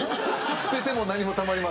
捨てても何もたまりません。